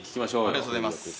ありがとうございます。